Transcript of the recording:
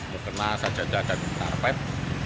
bukannya saja ada tarpet